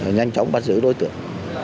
nhanh chóng bắt giữ đối tượng